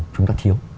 chúng ta thiếu